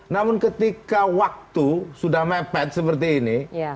namun ketika waktu sudah mepet seperti ini